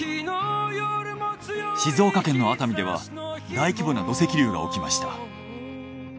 静岡県の熱海では大規模な土石流が起きました。